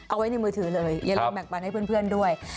เอาไว้ในมือถือเลยอยุ่นแม็กบานให้เพื่อนด้วย